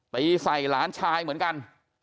ตีใส่หลานชายเหมือนกัน